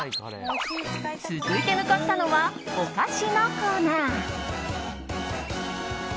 続いて向かったのはお菓子のコーナー。